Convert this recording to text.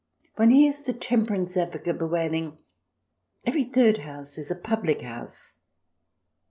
One hears the temperance advocate bewailing, " Every third house is a public house